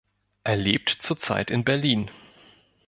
Er lebt zurzeit in Berlin.